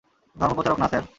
ধর্মপ্রচারক না, স্যার।